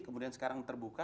kemudian sekarang terbuka